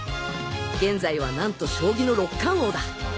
現在はなんと将棋の六冠王だ